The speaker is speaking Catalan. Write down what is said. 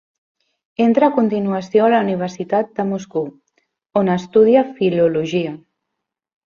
Entra a continuació a la Universitat de Moscou, on estudia filologia.